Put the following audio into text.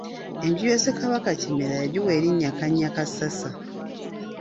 Enju ya Ssekabaka Kimera yagiwa erinnya Kannyakassasa.